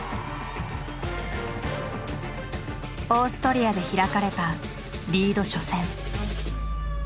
オーストリアで開かれたリード初戦。